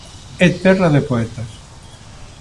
É terra de poetas.